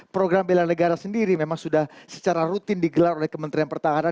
program bela negara sendiri memang sudah secara rutin digelar oleh kementerian pertahanan